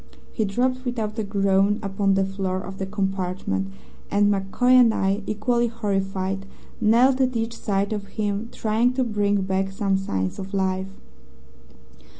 "He dropped without a groan upon the floor of the compartment, and MacCoy and I, equally horrified, knelt at each side of him, trying to bring back some signs of life.